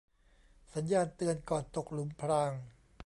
สัญญาณเตือนก่อนตกหลุมพราง